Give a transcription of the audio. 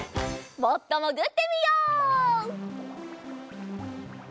もっともぐってみよう。